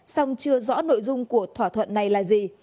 song chưa rõ nội dung của thỏa thuận này là gì